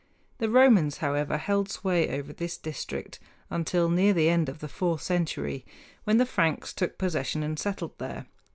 The Romans, however, held sway over this district until near the end of the fourth century, when the Franks took possession and settled there.